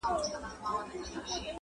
• پاته له جهانه قافله به تر اسمانه وړم..